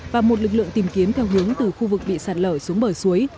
và một lực lượng tìm kiếm theo hướng từ khu vực bị sạt lở xuống bờ suối